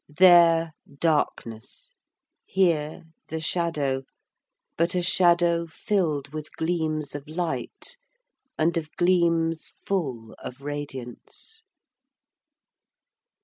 There, darkness; here, the shadow; but a shadow filled with gleams of light, and of gleams full of radiance.